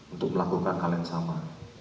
untuk melakukan hal yang sama